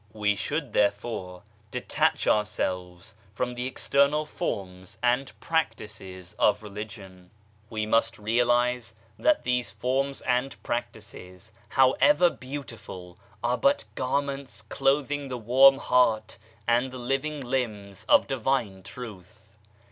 We should, therefore, detach ourselves from the external forms and practices of Religion. We must 126 SEARCH AFTER TRUTH realize that these forms and practices, however beautiful, are but garments clothing the warm heart and the living limbs of Divine Truth.